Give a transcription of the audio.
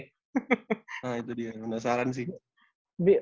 nah itu dia penasaran sih